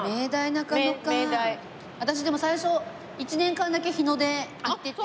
私でも最初１年間だけ日出行ってて。